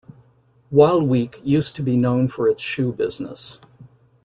Waalwijk used to be known for its shoe business.